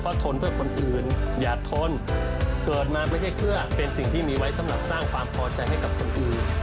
เพราะทนเพื่อคนอื่นอย่าทนเกิดมาไม่ใช่เพื่อเป็นสิ่งที่มีไว้สำหรับสร้างความพอใจให้กับคนอื่น